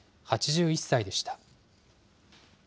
８１歳でした。